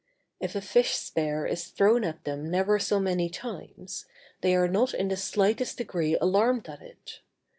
If a fish spear is thrown at them never so many times, they are not in the slightest degree alarmed at it.